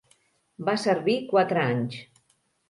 Va servir quatre anys.